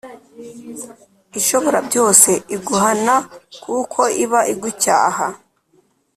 Ishoborabyose iguhana kuko iba igucyaha